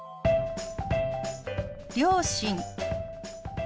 「両親」。